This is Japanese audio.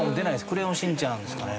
『クレヨンしんちゃん』ですかね？